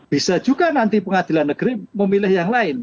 bisa juga nanti pengadilan negeri memilih yang lain